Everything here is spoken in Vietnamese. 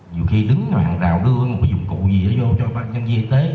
nhiều khi đứng ngoạn rào đưa một dụng cụ gì đó vô cho bác nhân viên y tế